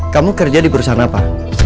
kamu kerja di perusahaan apa